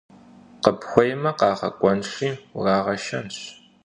Къыпхуеймэ, къагъэкӀуэнщи урагъэшэнщ.